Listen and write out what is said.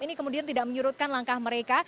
ini kemudian tidak menyurutkan langkah mereka